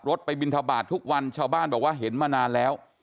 ไปบินทบาททุกวันชาวบ้านบอกว่าเห็นมานานแล้ว